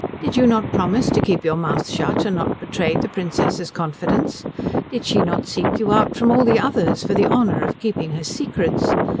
Did you not promise to keep your mouth shut, and not betray the Princess's confidence? Did she not seek you out from all the others for the honour of keeping her secrets?